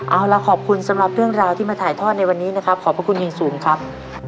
เอาล่ะขอบคุณสำหรับเรื่องราวที่มาถ่ายทอดในวันนี้นะครับขอบพระคุณอย่างสูงครับ